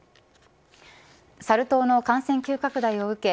サル痘の感染急拡大を受け